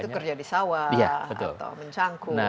itu kerja di sawah atau mencangkul